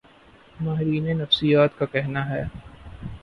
ماہرین نفسیات کا کہنا ہے